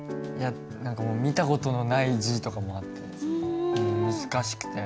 何かもう見た事のない字とかもあってもう難しくて。